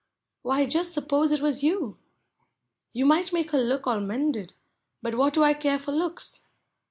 Why, just suppose it was you? You might make her look all mended— but what do I care for looks?